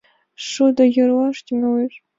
Шудо йӧрлаш тӱҥалеш.